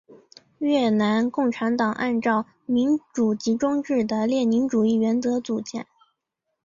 越南共产党按照民主集中制的列宁主义原则组建。